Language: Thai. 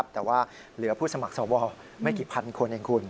แต่ว่าเหลือผู้สมัครสวไม่กี่พันคนเองคุณ